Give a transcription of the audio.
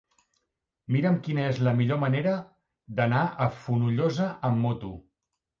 Mira'm quina és la millor manera d'anar a Fonollosa amb moto.